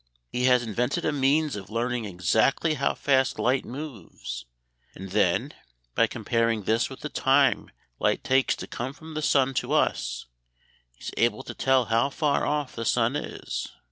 He has invented a means of learning exactly how fast light moves; and then, by comparing this with the time light takes to come from the sun to us, he is able to tell how far off the sun is.